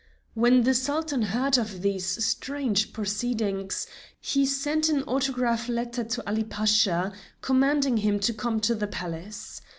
When the Sultan heard of these strange proceedings he sent an autograph letter to Ali Pasha, commanding him to come to the Palace.